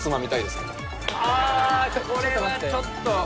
ああこれはちょっと。